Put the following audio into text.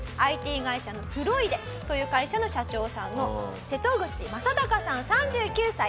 ＩＴ会社のフロイデという会社の社長さんの瀬戸口将貴さん３９歳。